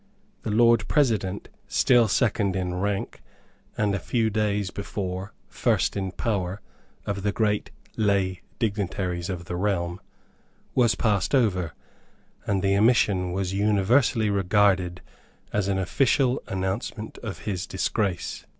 The Lord President, still second in rank, and a few days before first in power, of the great lay dignitaries of the realm, was passed over; and the omission was universally regarded as an official announcement of his disgrace.